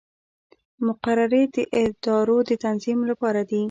مقررې د ادارو د تنظیم لپاره دي